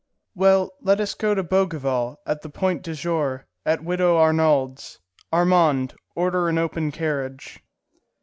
"Well, let us go to Bougival, at the Point du Jour, at Widow Arnould's. Armand, order an open carriage."